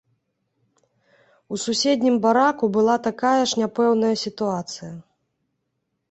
У суседнім бараку была такая ж няпэўная сітуацыя.